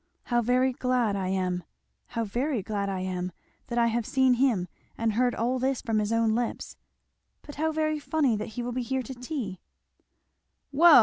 How very glad I am! How very glad I am! that I have seen him and heard all this from his own lips. But how very funny that he will be here to tea " "Well!"